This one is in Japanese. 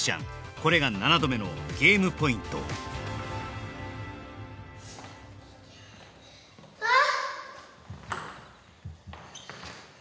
これが７度目のゲームポイントハアッ！